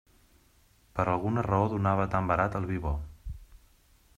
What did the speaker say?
Per alguna raó donava tan barat el vi bo!